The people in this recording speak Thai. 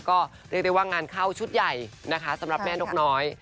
ก็เรียกได้ว่างานเข้าชุดใหญ่นะคะสำหรับแม่นกน้อย